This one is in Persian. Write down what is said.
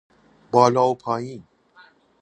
بالا و پائین